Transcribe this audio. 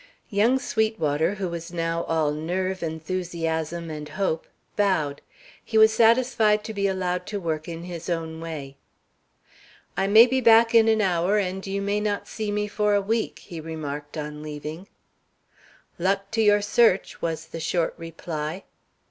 Young Sweetwater, who was now all nerve, enthusiasm, and hope, bowed. He was satisfied to be allowed to work in his own way. "I may be back in an hour, and you may not see me for a week," he remarked on leaving. "Luck to your search!" was the short reply.